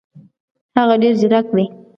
هغه ډېر زیرک دی.